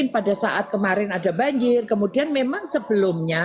pada saat kemarin ada banjir kemudian memang sebelumnya